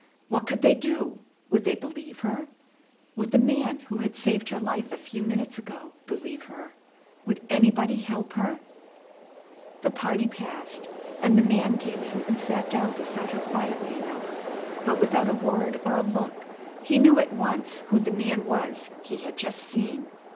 What could they do? Would they believe her? Would the man who had saved her life a few minutes ago believe her? Would anybody help her? The party passed, and the man came in and sat down beside her quietly enough; but without a word or a look he knew at once who the man was he had just seen.